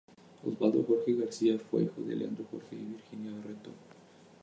Osvaldo Jorge García fue hijo de Leandro Jorge y Virginia Barreto.